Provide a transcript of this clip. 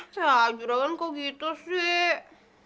ya juragan kok gitu sih